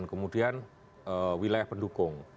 kemudian wilayah pendukung